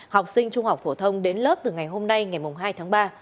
học sinh trung học phổ thông đến lớp từ ngày hôm nay ngày hai tháng ba